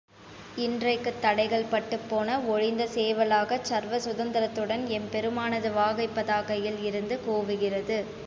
இன்றைக்குத் தடைகள் பட்டுப் போன, ஒழிந்த, சேவலாகச் சர்வ சுதந்தரத்துடன் எம்பெருமானது வாகைப் பதாகையில் இருந்து கூவுகிறது.